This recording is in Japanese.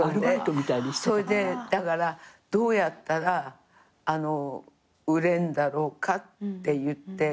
それでだから「どうやったら売れるんだろうか」って言って。